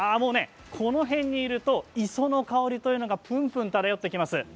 この辺にいると磯の香りというのが、ぷんぷん漂ってきます。